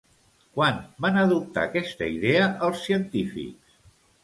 Quan van adoptar aquesta idea els científics?